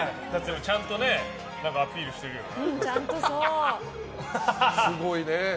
ちゃんとアピールしてるよね。